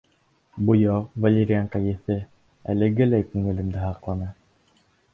Буяу, валерианка еҫе әлегеләй күңелемдә һаҡлана.